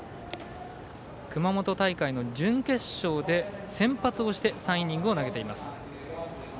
熊本大会の準決勝で先発をして３イニングを投げています。